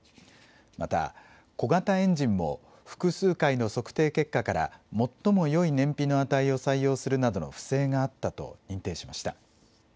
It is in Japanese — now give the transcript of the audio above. また、小型エンジンも複数回の測定結果から、最もよい燃費の値を採用するなどの不正があったと認定しました。